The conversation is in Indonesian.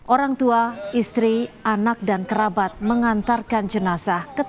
orang tua istri anak dan kerabat mengantarkan jenasa ketemu